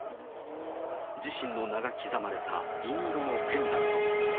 自身の名が刻まれた、銀色のペンダント。